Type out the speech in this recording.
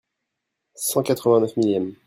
Cent quatre-vingt neuf millième.